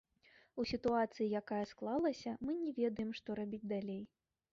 У сітуацыі, якая склалася, мы не ведаем, што рабіць далей.